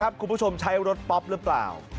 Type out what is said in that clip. คุณผู้ชมใช้รถป๊อปหรือเปล่า